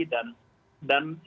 dan yang pemerintah pasti